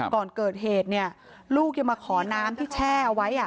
พระเจ้าที่อยู่ในเมืองของพระเจ้า